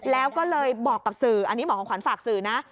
แล้วก็เลยบอกกับสื่ออันนี้หมอของขวัญฝากสื่อนะ